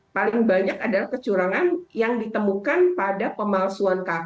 paling banyak adalah kecurangan yang ditemukan pada pemalsuan kk